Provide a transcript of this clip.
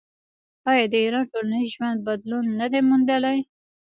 آیا د ایران ټولنیز ژوند بدلون نه دی موندلی؟